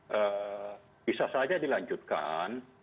bisa saja dilanjutkan